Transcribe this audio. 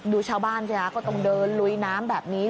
ดูชาวบ้านสินะก็ต้องเดินลุยน้ำแบบนี้